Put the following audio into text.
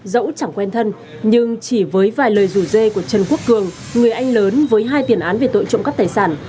dẫu chẳng quen thân nhưng chỉ với vài lời rủ dê của trần quốc cường người anh lớn với hai tiền án về tội trộm cắp tài sản